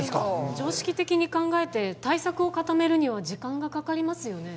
常識的に考えて対策を固めるには時間がかかりますよね